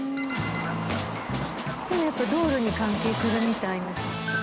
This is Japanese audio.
でもやっぱ道路に関係するみたいな。